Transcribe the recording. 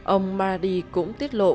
ông maradi cũng tiết lộ